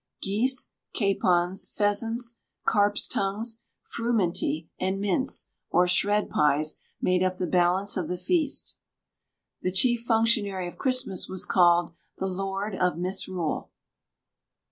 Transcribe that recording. Geese, capons, pheasants, carps' tongues, frumenty, and mince, or "shred" pies, made up the balance of the feast. The chief functionary of Christmas was called "The Lord of Misrule."